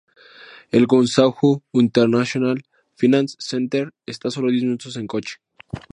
El Guangzhou International Finance Center está a sólo diez minutos en coche.